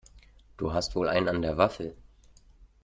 Du hast wohl einen an der Waffel!